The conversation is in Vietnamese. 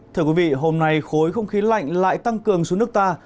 thưa quý vị hôm nay khối không khí lạnh lại tăng cường xuống nước ta